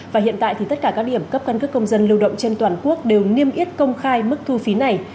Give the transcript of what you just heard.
và hiện tại thì tất cả các điểm cấp căn cước công dân lưu động trên toàn quốc đều niêm yết công khai mức thu phí này